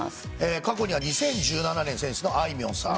過去には２０１７年選出のあいみょんさん。